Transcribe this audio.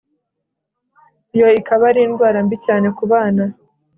iyo ikaba ari ndwara mbi cyane ku bana